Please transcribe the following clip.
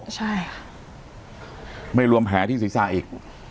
ใช่ค่ะไม่รวมแผลที่ศีรษะอีก